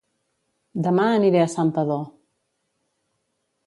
Dema aniré a Santpedor